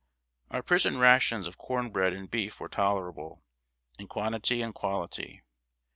Our prison rations of corn bread and beef were tolerable, in quantity and quality.